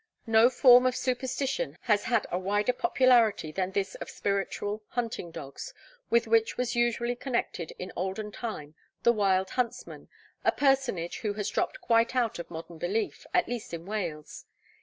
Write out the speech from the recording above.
No form of superstition has had a wider popularity than this of spiritual hunting dogs, with which was usually connected in olden time the wild huntsman, a personage who has dropped quite out of modern belief, at least in Wales.